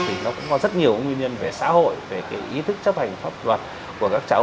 thì nó cũng có rất nhiều nguyên nhân về xã hội về cái ý thức chấp hành pháp luật của các cháu